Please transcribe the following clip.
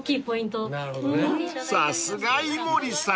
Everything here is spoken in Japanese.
［さすが井森さん］